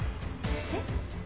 えっ？